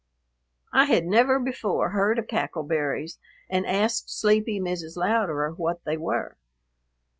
I had never before heard of cackle berries and asked sleepy Mrs. Louderer what they were.